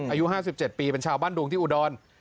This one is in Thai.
อายุ๕๗ปีเป็นชาวบ้านดวงที่อุดร